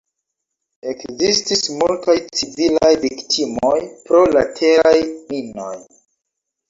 Ekzistis multaj civilaj viktimoj pro la teraj minoj.